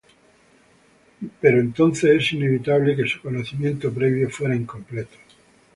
Pero entonces es inevitable que su conocimiento previo fuera incompleto.